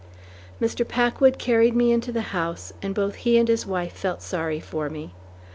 Mr. Packwood carried me into the house, and both he and his wife felt sorry for me.